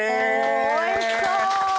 おおいしそう！